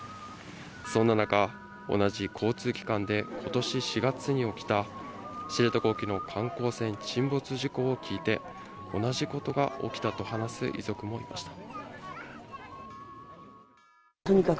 そんな中、同じ交通機関で今年４月に起きた知床沖の観光船沈没事故を聞いて、同じことが起きたと話す遺族もいました。